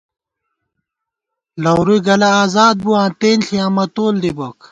لورُوئی گلہ ازاد بُواں تېنݪی امہ تول دِی بوک